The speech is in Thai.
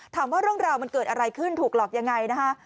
ถามว่าเรื่องราวมันเกิดอะไรขึ้นถูกหลอกยังไงนะคะ